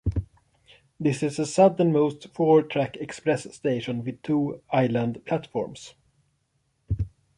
This is the southernmost four-track express station with two island platforms.